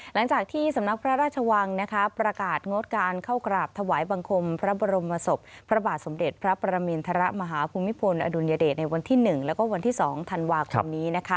หลังจากที่สำนักพระราชวังประกาศงดการเข้ากราบถวายบังคมพระบรมศพพระบาทสมเด็จพระประมินทรมาฮภูมิพลอดุลยเดชในวันที่๑แล้วก็วันที่๒ธันวาคมนี้